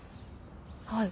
はい。